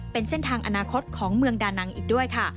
เป็นเส้นทางอนาคตของเมืองดานังอีกด้วยค่ะ